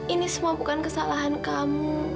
ini semua bukan kesalahan kamu